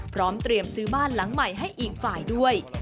พร้อมเตรียมซื้อบ้านหลังใหม่ให้อีกฝ่ายด้วย